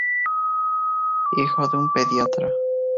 Hijo de un pediatra.